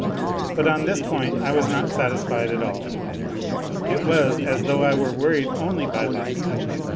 But on this point I was not satis fied at all. It was as though I were worried only by Liza.